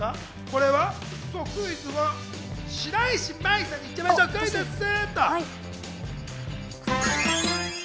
クイズは白石麻衣さんに行きましょう、クイズッス！